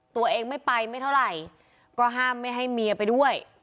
ตัวเองไม่ไปไม่เท่าไหร่ก็ห้ามไม่ให้เมียไปด้วย